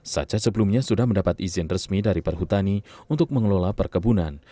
saja sebelumnya sudah mendapat izin resmi dari perhutani untuk mengelola perkebunan